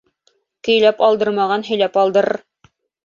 Көйләп алдырмаған һөйләп алдырыр.